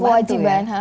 sangat membantu ya